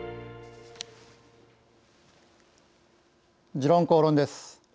「時論公論」です。